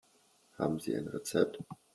Haben Sie ein Rezept?